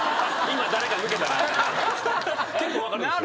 結構分かるんすよ。